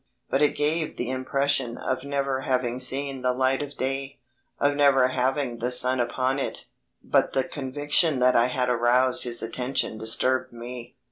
But it gave the impression of never having seen the light of day, of never having had the sun upon it. But the conviction that I had aroused his attention disturbed me.